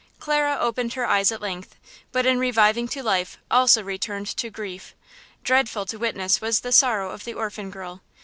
Clara opened her eyes at length, but in reviving to life also returned to grief. Dreadful to witness was the sorrow of the orphan girl.